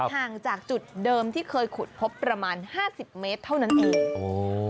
ห่างจากจุดเดิมที่เคยขุดพบประมาณห้าสิบเมตรเท่านั้นเอง